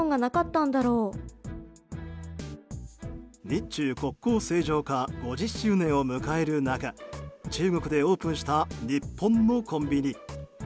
日中国交正常化５０周年を迎える中中国でオープンした日本のコンビニ。